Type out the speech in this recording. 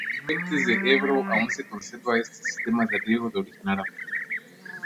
En Fuentes de Ebro aún se conserva este sistema de riego de origen árabe.